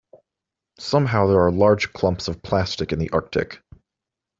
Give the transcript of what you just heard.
Somehow there are large clumps of plastic in the Arctic.